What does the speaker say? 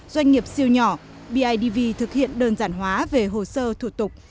doanh nghiệp siêu nhỏ bidv thực hiện đơn giản hóa về hồ sơ thủ tục